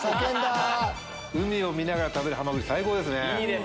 海を見ながら食べるハマグリ最高ですね。